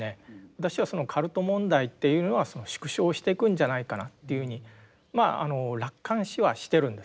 私はカルト問題っていうのは縮小していくんじゃないかなというふうにまあ楽観視はしてるんですね。